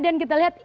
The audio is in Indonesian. dan kita lihat